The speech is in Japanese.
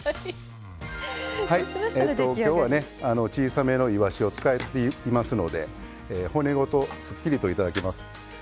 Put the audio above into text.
今日は小さめのいわしを使っていますので骨ごとすっきりといただきます。